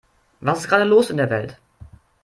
Was ist gerade los in der Welt?